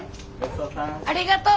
ありがとう。